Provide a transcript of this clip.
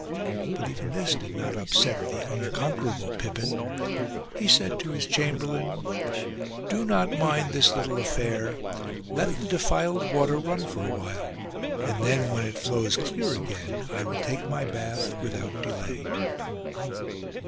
But even this did not upset the unconquerable Pippin. He said to his chamberlain :" Do not mind this little affair. Let the defiled water run for a while ; and then, when it flows clear again, I will take my bath without delay."